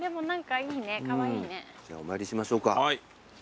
じゃあお参りしましょうか。